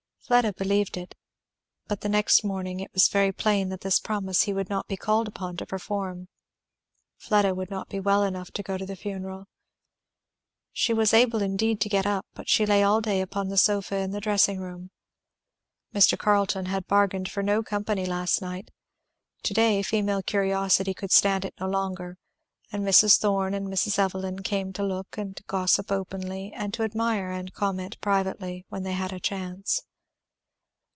Fleda believed it. But the next morning it was very plain that this promise he would not be called upon to perform; Fleda would not be well enough to go to the funeral. She was able indeed to get up, but she lay all day upon the sofa in the dressing room. Mr. Carleton had bargained for no company last night; to day female curiosity could stand it no longer; and Mrs. Thorn and Mrs. Evelyn came up to look and gossip openly and to admire and comment privately, when they had a chance.